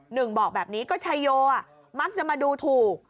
หนึ่งบอกแบบนี้ก็ชัยโยมักจะมาดูถูก